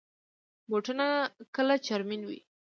بوټونه کله چرمین وي.